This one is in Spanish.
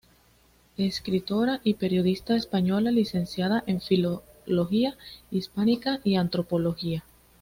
Escritora y periodista española, licenciada en filología hispánica y antropología.